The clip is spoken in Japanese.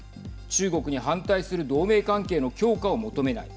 中国に反対する同盟関係の強化を求めない。